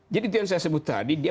jadi itu yang saya sebut tadi dia